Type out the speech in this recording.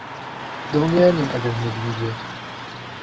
دڵنیا نیم ئەگەر منت بیر بێت